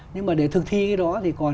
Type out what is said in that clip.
nhưng mà để thực thi cái đó thì còn